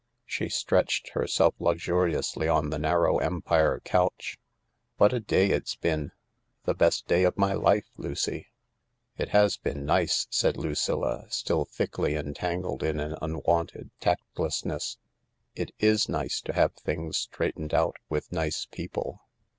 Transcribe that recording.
She stretched herself luxuriously on the narrow Empire couch. " What a day it's been ! The best day of my life, Lucy !"" It has been nice," said Lucilla, still thickly entangled in an unwonted tactlessness ; "it is nice to have things straightened out with nice people."